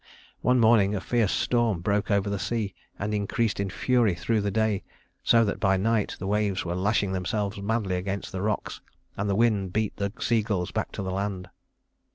One morning a fierce storm broke over the sea, and increased in fury through the day, so that by night the waves were lashing themselves madly against the rocks, and the wind beat the sea gulls back to land.